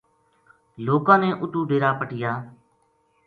لوکاں نے اُتو ڈیرا پَٹیا